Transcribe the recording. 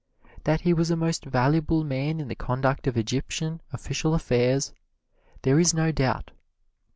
That he was a most valuable man in the conduct of Egyptian official affairs, there is no doubt.